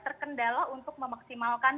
terkendala untuk memaksimalkan